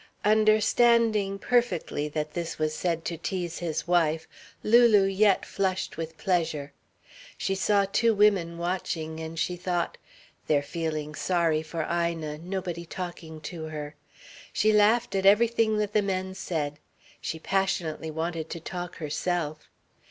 Understanding perfectly that this was said to tease his wife, Lulu yet flushed with pleasure. She saw two women watching, and she thought: "They're feeling sorry for Ina nobody talking to her." She laughed at everything that the men said. She passionately wanted to talk herself.